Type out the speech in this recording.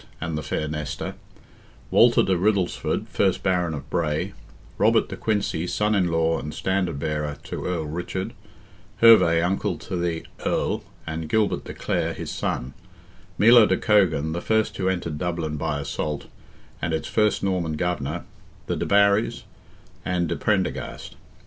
and the fair Nesta; Walter de Riddlesford, first Baron of Bray; Robert de Quincy, son in law and standard bearer to Earl Richard; Herve, uncle to the Earl, and Gilbert de Clare, his son; Milo de Cogan, the first who entered Dublin by assault, and its first Norman governor; the de Barries, and de Prendergast.